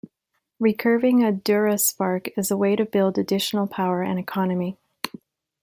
Re-curving a Duraspark is a way to build additional power and economy.